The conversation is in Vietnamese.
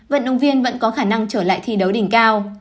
vận động viên vẫn có khả năng trở lại thi đấu đỉnh cao